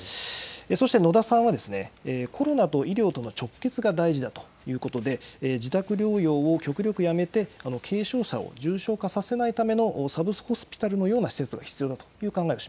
そして、野田さんは、コロナと医療との直結が大事だということで、自宅療養を極力やめて、軽症者を重症化させないためのサブホスピタルのような施設が必要